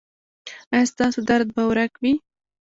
ایا ستاسو درد به ورک وي؟